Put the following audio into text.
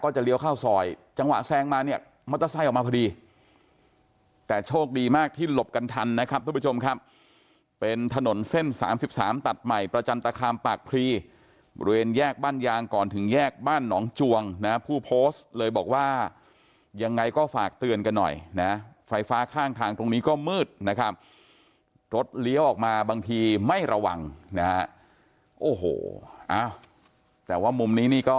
จะเลี้ยวเข้าซอยจังหวะแซงมาเนี่ยมอเตอร์ไซค์ออกมาพอดีแต่โชคดีมากที่หลบกันทันนะครับทุกผู้ชมครับเป็นถนนเส้นสามสิบสามตัดใหม่ประจันตคามปากพรีบริเวณแยกบ้านยางก่อนถึงแยกบ้านหนองจวงนะผู้โพสต์เลยบอกว่ายังไงก็ฝากเตือนกันหน่อยนะไฟฟ้าข้างทางตรงนี้ก็มืดนะครับรถเลี้ยวออกมาบางทีไม่ระวังนะฮะโอ้โหแต่ว่ามุมนี้นี่ก็